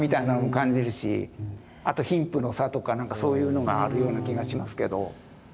あと貧富の差とかそういうのがあるような気がしますけど。